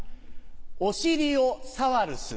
オシリヲサワルス。